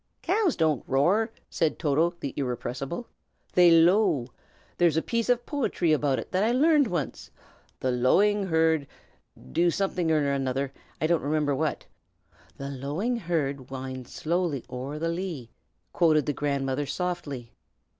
"Cows don't roar!" said Toto the irrepressible. "They low. There's a piece of poetry about it that I learned once: "'The lowing herd ' do something or other, I don't remember what." "'The lowing herd winds slowly o'er the lea,'" quoted the grandmother, softly.